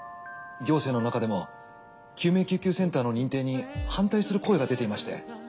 行政の中でも救命救急センターの認定に反対する声が出ていまして。